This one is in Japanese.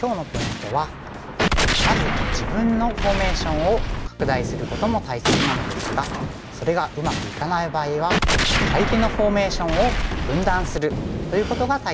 今日のポイントはまず自分のフォーメーションを拡大することも大切なのですがそれがうまくいかない場合は相手のフォーメーションを分断するということが大切になってきます。